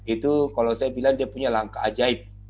itu kalau saya bilang dia punya langkah ajaib